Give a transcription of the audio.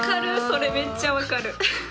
それめっちゃ分かる。